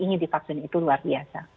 jadi vaksin itu luar biasa